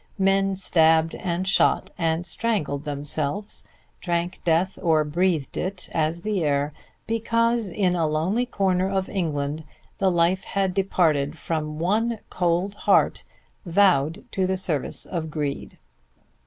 Men stabbed and shot and strangled themselves, drank death or breathed it as the air, because in a lonely corner of England the life had departed from one cold heart vowed to the service of greed.